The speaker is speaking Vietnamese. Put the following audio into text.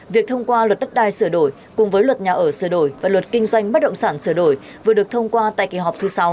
việc thông qua luật đất đai sửa đổi cùng với luật nhà ở sửa đổi và luật kinh doanh bất động sản sửa đổi vừa được thông qua tại kỳ họp thứ sáu